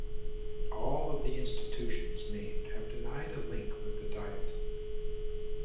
All of the institutions named have denied a link with the diet.